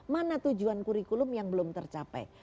mana tujuan kurikulum yang belum tercapai